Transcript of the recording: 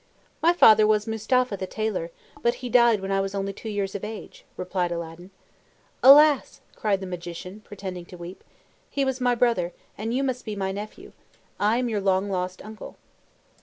"My father was Mustapha the tailor, but he died when I was only two years of age," replied Aladdin. "Alas!" cried the Magician, pretending to weep. "He was my brother, and you must be my nephew. I am your long lost uncle."